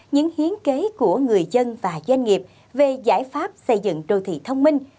những hiến kế của người dân và doanh nghiệp về giải pháp xây dựng đô thị thông minh